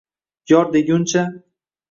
Yor deguncha…